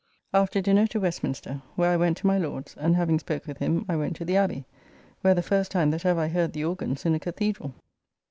After dinner to Westminster, where I went to my Lord's, and having spoke with him, I went to the Abbey, where the first time that ever I heard the organs in a cathedral!